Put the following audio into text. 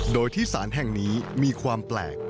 โดยที่สารแห่งนี้มีความแปลก